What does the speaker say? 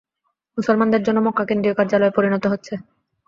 মুসলমানদের জন্য মক্কা কেন্দ্রীয় কার্যালয়ে পরিণত হয়।